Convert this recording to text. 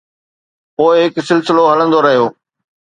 پوءِ هڪ سلسلو هلندو رهيو.